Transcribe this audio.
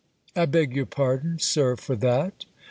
I beg your pardon, Sir, for that.